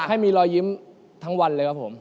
ให้มีรอยยิ้มทั้งวันเลยครับผม